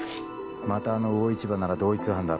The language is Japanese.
またあの魚市場なら同一犯だろうな。